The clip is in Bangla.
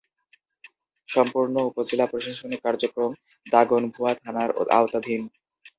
সম্পূর্ণ উপজেলা প্রশাসনিক কার্যক্রম দাগনভূঞা থানার আওতাধীন।